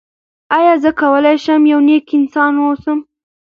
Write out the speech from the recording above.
آیا زه کولی شم یو نېک انسان واوسم؟